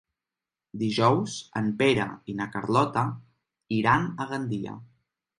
Dijous en Pere i na Carlota iran a Gandia.